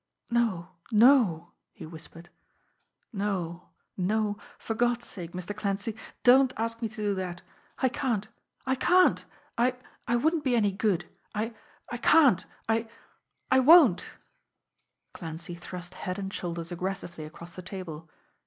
"No, no!" he whispered. "No, no for God's sake, Mr. Clancy, don't ask me to do that! I can't I can't! I I wouldn't be any good, I I can't! I I won't!" Clancy thrust head and shoulders aggressively across the table.